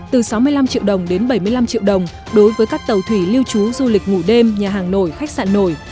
từ sáu mươi năm triệu đồng đến bảy mươi năm triệu đồng đối với các tàu thủy lưu trú du lịch ngủ đêm nhà hàng nổi khách sạn nổi